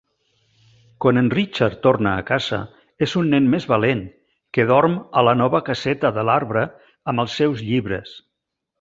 Quan en Richard torna a casa és un nen més valent, que dorm a la nova caseta de l'arbre amb els seus llibres.